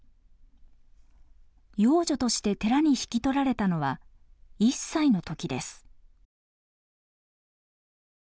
養女として寺に引き取られたのは１歳の時です。